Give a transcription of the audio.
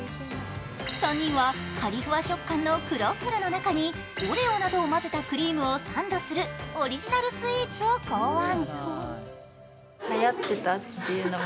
３人はカリフワ食感のクロッフルの中にオレオなどを混ぜたクリームをサンドするオリジナルスイーツを考案。